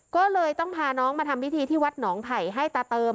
ก็เลยต้องพาน้องมาทำพิธีที่วัดหนองไผ่ให้ตาเติม